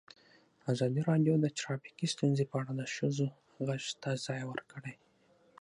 ازادي راډیو د ټرافیکي ستونزې په اړه د ښځو غږ ته ځای ورکړی.